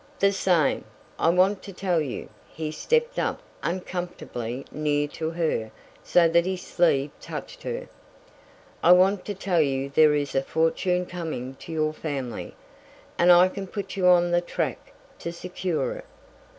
"The same. I want to tell you" he stepped up uncomfortably near to her so that his sleeve touched her "I want to tell you there is a fortune coming to your family, and I can put you on the track to secure it.